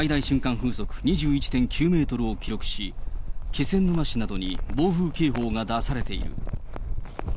風速２１．９メートルを記録し、気仙沼市などに暴風警報が出されている。